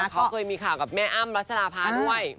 เขาเคยมีข่าวกับแม่อ้ำรัชดาภาด้วย